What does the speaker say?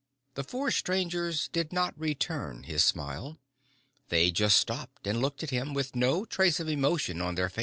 The four strangers did not return his smile. They just stopped and looked at him with no trace of emotion on their faces.